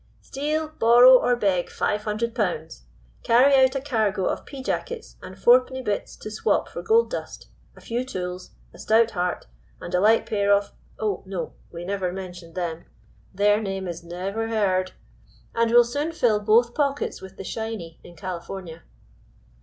steal, borrow, or beg 500 pounds. Carry out a cargo of pea jackets and fourpenny bits to swap for gold dust, a few tools, a stout heart, and a light pair of 'Oh, no; we never mention them; their name is never heard' and we'll soon fill both pockets with the shiney in California."